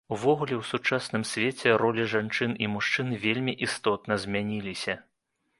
Увогуле, у сучасным свеце ролі жанчын і мужчын вельмі істотна змяніліся.